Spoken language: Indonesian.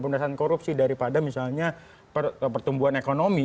pemberantasan korupsi daripada misalnya pertumbuhan ekonomi